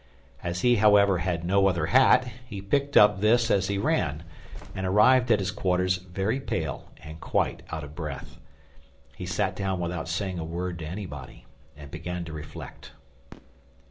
As he, however, had no other hat, he picked up this as he ran, and arrived at his quarters very pale and quite out of breath. He sat down without saying a word to anybody, and began to reflect.